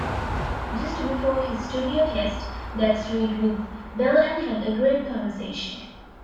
Just before his studio test, Daggs read with Bell and had "a great conversation".